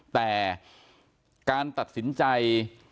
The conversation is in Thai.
แต่การตัดสินใจ